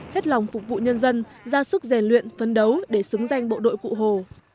hết lòng phục vụ nhân dân ra sức rèn luyện phấn đấu để xứng danh bộ đội cụ hồ